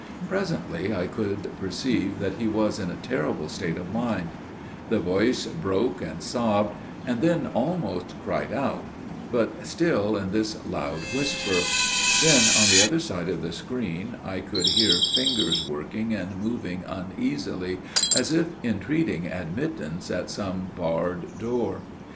Presently I could perceive that he was in a terrible state of mind; the voice broke and sobbed, and then almost cried out, but still in this loud whisper; then on the other side of the screen I could hear fingers working and moving uneasily, as if entreating admittance at some barred door.